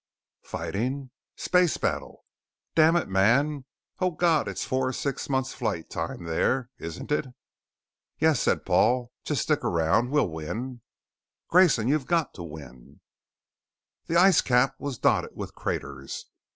"Fighting?" "Space battle!" "Dammit man Oh God, it's four or six months flight time there, isn't it?" "Yes," said Paul. "Just stick around. We'll win!" "Grayson, you've got to win!" The ice cap was dotted with craters.